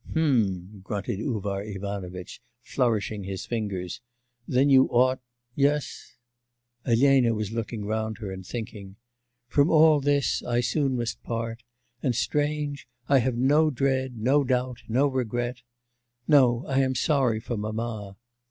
'H'm,' grunted Uvar Ivanovitch, flourishing his fingers, 'then you ought yes ' Elena was looking round her and thinking, 'From all this I soon must part... and strange I have no dread, no doubt, no regret.... No, I am sorry for mamma.